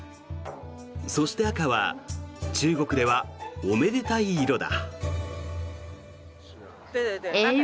そして赤は中国では、おめでたい色だ。